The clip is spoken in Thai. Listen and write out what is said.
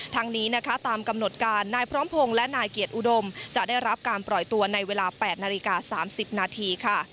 ทางนี้ตามกำหนดการนายพร้อมพงษ์และนายเกียจอุดมจะได้รับการปล่อยตัวใน๘นาฬิกา๓๐นาที